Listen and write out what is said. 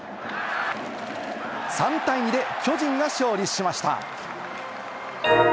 ３対２で巨人が勝利しました。